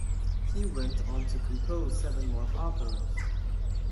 He went on to compose seven more operas.